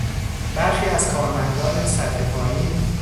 برخی از کارمندان سطح پایین